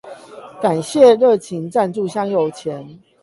感謝熱情贊助香油錢